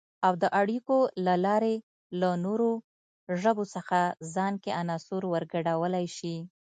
او د اړیکو له لارې له نورو ژبو څخه ځان کې عناصر ورګډولای شي